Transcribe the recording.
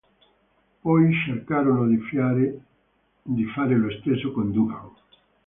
Poi cercarono di fare lo stesso con Duggan.